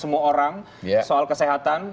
semua orang soal kesehatan